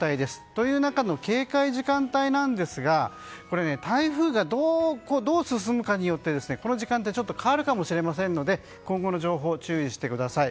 という中の警戒時間帯ですが台風がどう進むかによってこの時間帯変わるかもしれませんので今後の情報に注意してください。